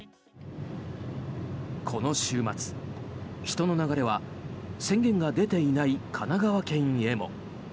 この週末、人の流れは宣言が出ていない神奈川県へも。